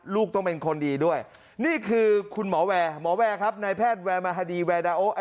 ลูกต้องเป็นคนดีด้วยนี่คือหมอแวหมอแวครับนายแพทย์แวมฮดีแวดาโอ๊ะ